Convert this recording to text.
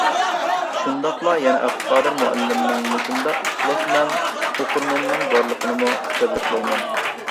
شۇنداقلا يەنە ئابدۇقادىر مۇئەللىمنىڭ مۇشۇنداق ئىخلاسمەن ئوقۇرمىنىنىڭ بارلىقىنىمۇ تەبرىكلەيمەن.